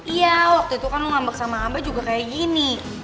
iya waktu itu kamu ngambek sama abah juga kayak gini